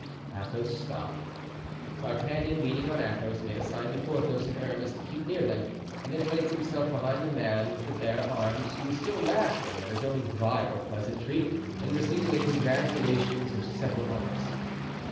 Athos stopped. D'Artagnan, leaning on Athos, made a sign to Porthos and Aramis to keep near them and then placed himself behind the man with the bare arms, who was still laughing at his own vile pleasantry and receiving the congratulations of several others.